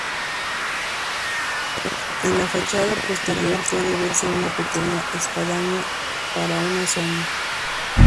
En la fachada posterior puede verse una pequeña espadaña para una sola campana.